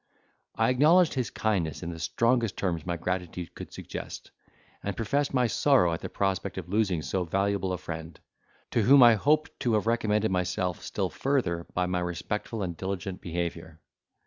I acknowledged his kindness in the strongest terms my gratitude could suggest, and professed my sorrow at the prospect of losing so valuable a friend, to whom I hoped to have recommended myself still further, by my respectful and diligent behaviour.